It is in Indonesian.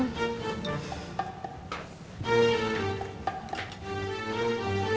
terima kasih bu dokter